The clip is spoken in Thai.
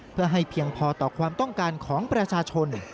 เพื่อให้เพียงพอต่อความต้องการของประชาชน